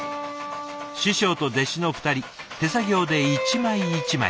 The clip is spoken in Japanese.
師匠と弟子の２人手作業で一枚一枚。